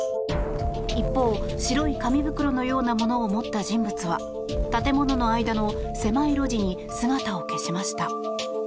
一方、白い紙袋のようなものを持った人物は建物の間の狭い路地に姿を消しました。